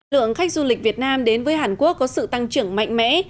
lượng khách du lịch việt nam đến với hàn quốc có sự tăng trưởng mạnh mẽ